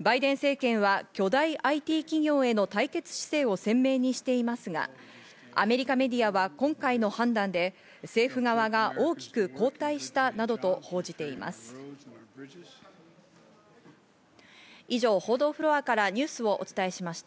バイデン政権は巨大ＩＴ企業への対決姿勢を鮮明にしていますが、アメリカメディアは今回の判断で政府側が、大きく後退したなどと松並さん、よろしくお願いします。